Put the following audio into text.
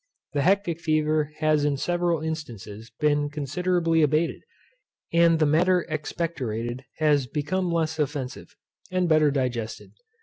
The hectic fever has in several instances been considerably abated, and the matter expectorated has become less offensive, and better digested.